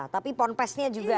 tapi pornpaste nya juga